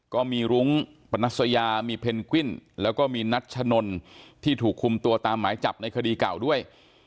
ก็มีรุ้งปนัสยามีเพนกวิ้นแล้วก็มีนัชนนที่ถูกคุมตัวตามหมายจับในคดีเก่าด้วย